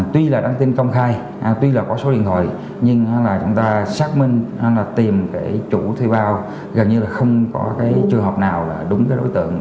tuy là đăng tin công khai tuy là có số điện thoại nhưng là chúng ta xác minh hay là tìm cái chủ thuê bao gần như là không có cái trường hợp nào là đúng cái đối tượng